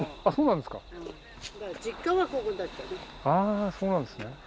あっそうなんですか。